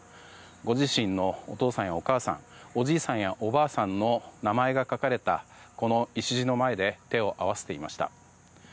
ご自身のお父さんやお母さんおじいさんやおばあさんの名前が書かれたこの礎の前で手を合わせていました。